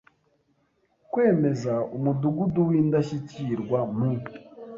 Kwemeza Umudugudu w’indashyikirwa mu